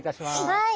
はい。